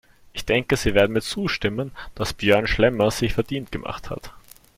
Ich denke, Sie werden mir zustimmen, dass Björn Schlemmer sich sehr verdient gemacht hat.